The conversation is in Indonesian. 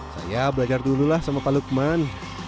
saya belajar dululah sama pak lukman